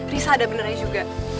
risa ada beneran juga